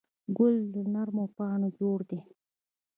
ګل له نرمو پاڼو جوړ دی.